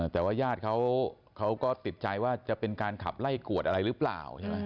แต่ว่าญาติเขาก็ติดใจว่าจะเป็นการขับไล่กวดอะไรหรือเปล่าใช่ไหม